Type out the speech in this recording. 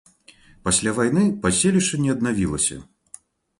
Пасля вайны паселішча не аднавілася.